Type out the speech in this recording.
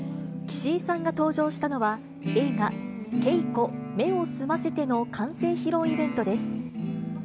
岸井さんが登場したのは、映画、ケイコ目を澄ませての完成披露イベントです。